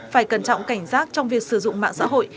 phải cẩn trọng cảnh giác trong việc sử dụng mạng xã hội